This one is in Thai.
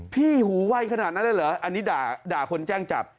หูไวขนาดนั้นเลยเหรออันนี้ด่าคนแจ้งจับ